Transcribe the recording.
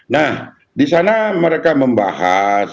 nah di sana mereka membahas